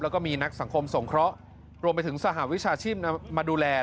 แล้วก็มีนักสังคมสงเคราะห์รวมไปถึงสหวิชาชีพมาดูแล